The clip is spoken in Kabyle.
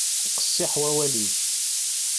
Qessiḥ wawal-ik.